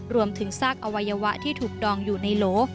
ซากอวัยวะที่ถูกดองอยู่ในโหล